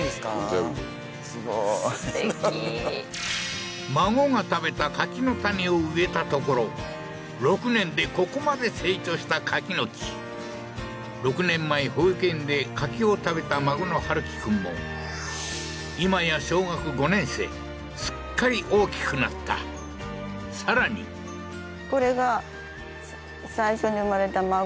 全部すごいすてき孫が食べた柿の種を植えたところ６年でここまで成長した柿の木６年前保育園で柿を食べた孫の陽希くんも今や小学５年生すっかり大きくなったさらにええー？